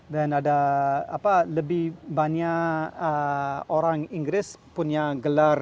dan ada lebih banyak orang inggris punya gelar sdm